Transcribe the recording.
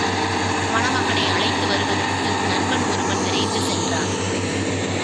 மணமகனை அழைத்து வருவதற்கு நண்பன் ஒருவன் விரைந்து சென்றான்.